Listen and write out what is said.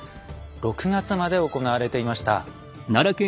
６月まで行われていました。